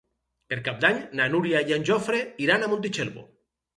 Per Cap d'Any na Núria i en Jofre iran a Montitxelvo.